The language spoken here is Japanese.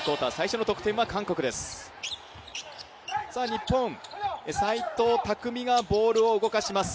日本、齋藤拓実がボールを動かします。